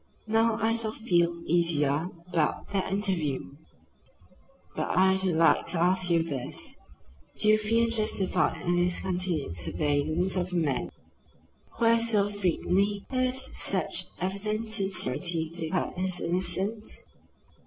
Now I shall feel easier about that interview. But I should like to ask you this: Do you feel justified in this continued surveillance of a man who has so frequently, and with such evident sincerity, declared his innocence?"